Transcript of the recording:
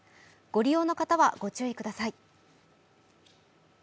ご利用の方はご注意ください。